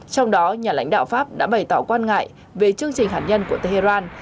trong đó nhà lãnh đạo pháp đã bày tỏ quan ngại về chương trình hạt nhân của tehran